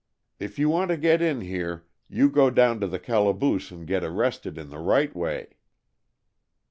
If you want to get in here you go down to the calaboose and get arrested in the right way."